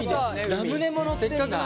ラムネものってんだ。